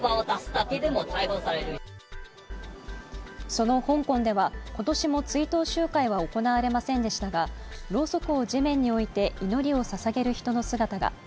その香港では今年も追悼集会は行われませんでしたがろうそくを地面に置いて祈りを捧げる人の姿が。